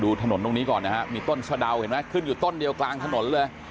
ถนนตรงนี้ก่อนนะฮะมีต้นสะดาวเห็นไหมขึ้นอยู่ต้นเดียวกลางถนนเลย